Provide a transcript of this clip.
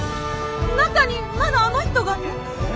中にまだあの人が！え？